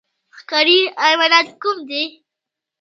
ښکاري حیوانات کوم دي؟